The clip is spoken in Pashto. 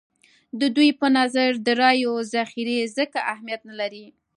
د دوی په نظر د رایو ذخیرې ځکه اهمیت نه لري.